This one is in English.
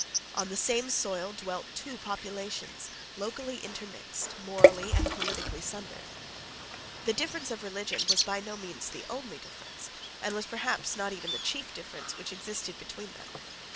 On the same soil dwelt two populations, locally intermixed, morally and politically sundered. The difference of religion was by no means the only difference, and was perhaps not even the chief difference, which existed between them.